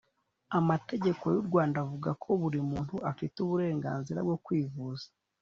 amategeko y’u rwanda avugako buri muntu afite uburenganzira bwo kwivuza